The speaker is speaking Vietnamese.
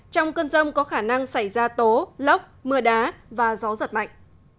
trong cơn rông có khả năng xảy ra tố lốc mưa đá và gió giật mạnh